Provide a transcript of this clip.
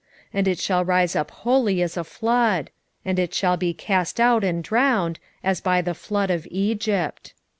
and it shall rise up wholly as a flood; and it shall be cast out and drowned, as by the flood of Egypt.